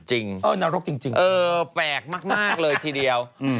เจอแปลกมากเลยทีเดียว